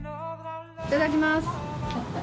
いただきます。